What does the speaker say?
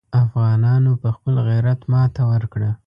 افغانانو په خپل غیرت ماته ورکړه.